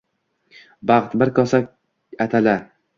— Baxt — bir kosa atala…